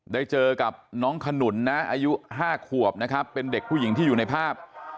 ได้เจอกับน้องขนุนนะอายุ๕ขวบนะครับเป็นเด็กผู้หญิงที่อยู่ในภาพ